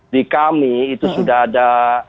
di kami itu sudah ada